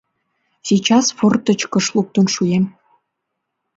— Сейчас форточкыш луктын шуэм.